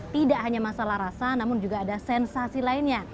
tidak hanya masalah rasa namun juga ada sensasi lainnya